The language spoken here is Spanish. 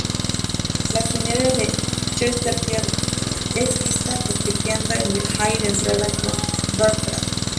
La señora de Chesterfield es vista coqueteando en el hall de entrada con Bertram.